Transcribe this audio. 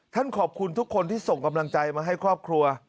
ขอบคุณทุกคนที่ส่งกำลังใจมาให้ครอบครัว